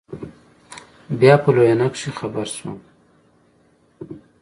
بيا په لوېينه کښې خبر سوم.